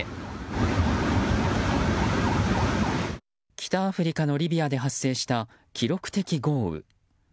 北アフリカのリビアで発生した記録的豪雨。